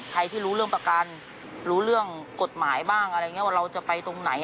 ที่รู้เรื่องประกันรู้เรื่องกฎหมายบ้างอะไรอย่างนี้ว่าเราจะไปตรงไหน